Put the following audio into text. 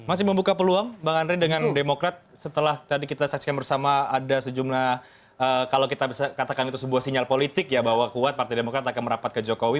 masih membuka peluang bang andri dengan demokrat setelah tadi kita saksikan bersama ada sejumlah kalau kita bisa katakan itu sebuah sinyal politik ya bahwa kuat partai demokrat akan merapat ke jokowi